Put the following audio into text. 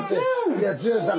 いや剛さん